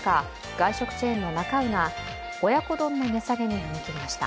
外食チェーンのなか卯が親子丼の値下げに踏み切りました。